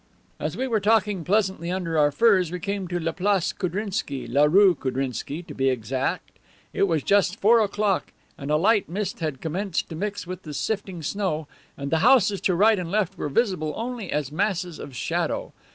"As we were talking pleasantly under our furs we came to la Place Koudrinsky, la rue Koudrinsky, to be exact. It was just four o'clock, and a light mist had commenced to mix with the sifting snow, and the houses to right and left were visible only as masses of shadow.